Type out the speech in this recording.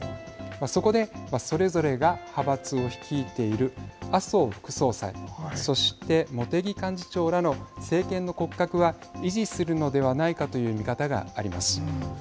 そこでそれぞれが派閥を率いている麻生副総裁そして茂木幹事長らの政権の骨格は維持するのではないかという見方があります。